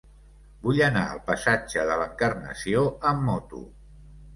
Vull anar al passatge de l'Encarnació amb moto.